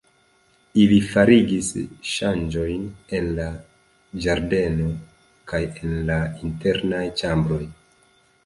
Ili farigis ŝanĝojn en la ĝardeno kaj en la internaj ĉambroj.